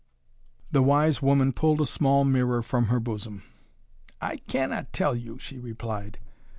The wise woman pulled a small mirror from her bosom. "I cannot tell you," she replied.